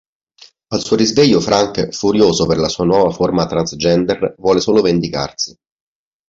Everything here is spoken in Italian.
Al suo risveglio Frank, furioso per la sua nuova forma transgender, vuole solo vendicarsi.